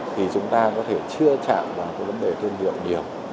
thì chúng ta có thể chưa chạm vào cái vấn đề thương hiệu nhiều